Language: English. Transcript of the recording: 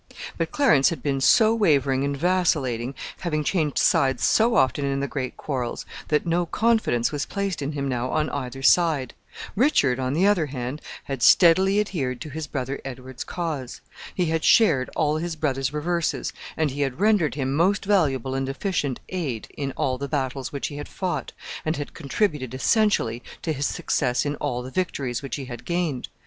But Clarence had been so wavering and vacillating, having changed sides so often in the great quarrels, that no confidence was placed in him now on either side. Richard, on the other hand, had steadily adhered to his brother Edward's cause. He had shared all his brother's reverses, and he had rendered him most valuable and efficient aid in all the battles which he had fought, and had contributed essentially to his success in all the victories which he had gained.